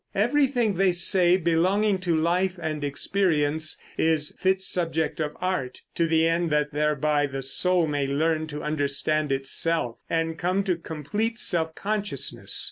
Everything, they say, belonging to life and experience, is fit subject of art; to the end that thereby the soul may learn to understand itself, and come to complete self consciousness.